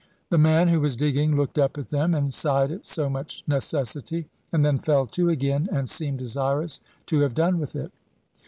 The man who was digging looked up at them, and sighed at so much necessity; and then fell to again, and seemed desirous to have done with it.